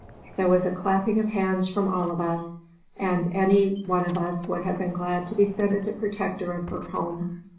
There was a clapping of hands from all of us, and any one of us would have been glad to be sent as the protector of her home.